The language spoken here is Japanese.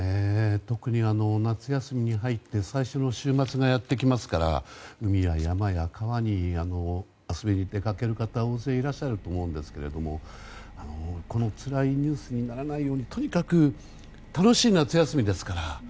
特に夏休みに入って最初の週末がやってきますから海や山や川に、遊びに出かける方が大勢いらっしゃると思うんですけどこのつらいニュースにならないようにとにかく楽しい夏休みですから。